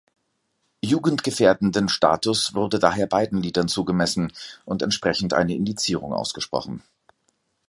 Jugendgefährdenden Status wurde daher beiden Liedern zugemessen und entsprechend eine Indizierung ausgesprochen.